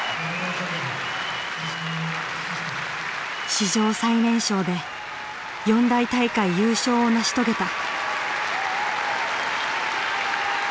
史上最年少で四大大会優勝を成し遂げた。